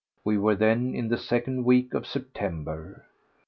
We were then in the second week of September.